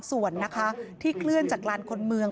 ข้าว่าข้าก็ถึงกลุ่มผู้โด่ง